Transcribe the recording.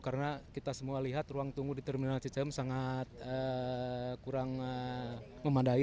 karena kita semua lihat ruang tunggu di terminal cicahem sangat kurang memandai